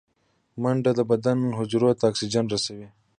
منډه د بدن حجرو ته اکسیجن رسوي